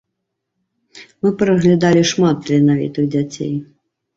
Мы праглядалі шмат таленавітых дзяцей.